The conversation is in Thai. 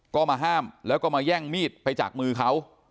ก็มาห้ามแล้วก็มาแย่งมีดไปจากมือเขา